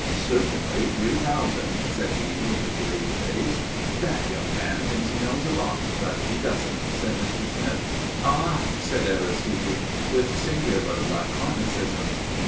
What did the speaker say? "Certainly three thousand," said he, with a grave face. "That young man thinks he knows a lot, but he doesn't," said Mr. Smith. "Ah!" said Aristide, with singular laconicism.